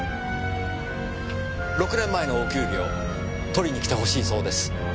６年前のお給料取りに来てほしいそうです。